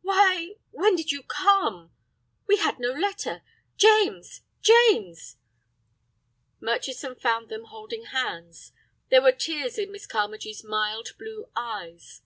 "Why, when did you come? We had no letter. James, James—" Murchison found them holding hands. There were tears in Miss Carmagee's mild blue eyes.